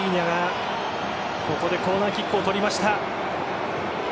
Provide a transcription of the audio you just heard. ここでコーナーキックを取りました。